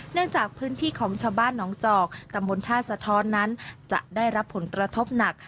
จากพื้นที่ของชาวบ้านหนองจอกตำบลท่าสะท้อนนั้นจะได้รับผลกระทบหนัก